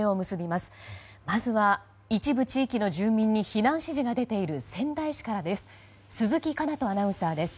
まずは一部地域の住民に避難指示が出ている仙台市からです。